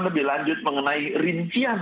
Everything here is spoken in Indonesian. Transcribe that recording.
lebih lanjut mengenai rincian